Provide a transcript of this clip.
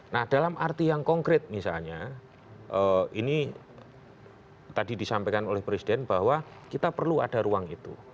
nah dalam arti yang konkret misalnya ini tadi disampaikan oleh presiden bahwa kita perlu ada ruang itu